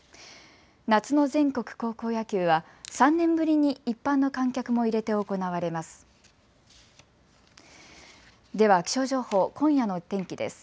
夏の全国高校野球は３年ぶりに一般の観客も入れて行われます。